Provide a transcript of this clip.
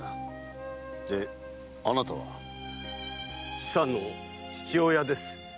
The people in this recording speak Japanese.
千佐の父親です。